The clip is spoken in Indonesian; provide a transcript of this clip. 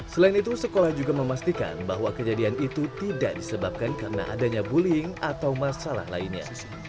selain itu sekolah juga memastikan bahwa kejadian itu tidak disebabkan karena adanya bullying atau masalah lainnya